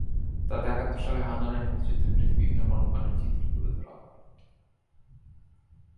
তাতে একাত্তর সালে হান্নানের মুক্তিযুদ্ধবিরোধী বিভিন্ন কর্মকাণ্ডের চিত্র তুলে ধরা হয়।